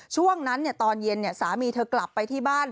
ช่วงนั้นตอนเย็นสามีเธอกลับไปที่บ้าน